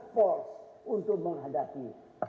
force untuk menghadapi